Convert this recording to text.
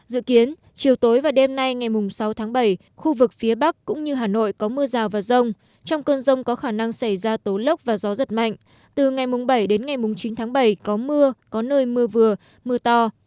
dự kiến chiều tối và đêm nay ngày sáu tháng bảy khu vực phía bắc cũng như hà nội có mưa rào và rông trong cơn rông có khả năng xảy ra tố lốc và gió giật mạnh từ ngày bảy đến ngày chín tháng bảy có mưa có nơi mưa vừa mưa to